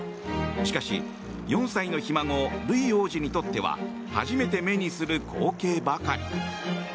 しかし、４歳のひ孫ルイ王子にとっては初めて目にする光景ばかり。